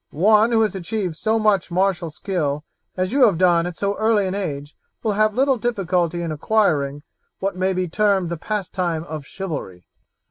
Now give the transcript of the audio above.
One who has achieved so much martial skill as you have done at so early an age will have little difficulty in acquiring what may be termed the pastime of chivalry."